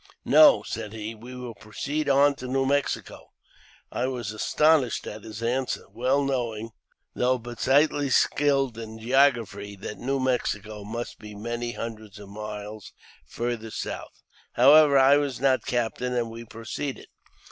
" No," said he, " we will proceed on to New Mexico." I was astonished at his answer, well knowing — though but slightly skilled in geography — that New Mexico must be many hundred miles farther south. However, I was not captain, and we proceeded.